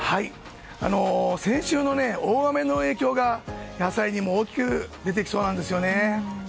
先週の大雨の影響が野菜にも大きく出てきそうなんですよね。